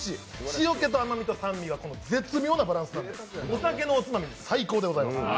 塩気と甘みと酸味が絶妙なバランス、お酒のおつまみ最高でございます。